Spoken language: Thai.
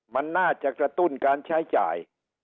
มันน่าจะกระตุ้นการใช้จ่าย